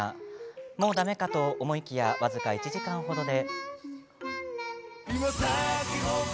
もうだめか、と思いきや僅か１時間程で。